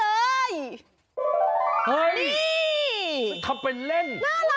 เฮ้ยนี่น่ารักมากเลยอ่ะทำเป็นเล่น